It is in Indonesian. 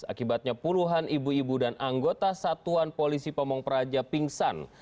akibatnya puluhan ibu ibu dan anggota satuan polisi pamung praja pingsan